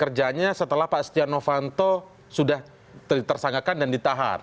kelihatan kerjanya setelah pak setia novatol sudah tersanggakan dan ditahar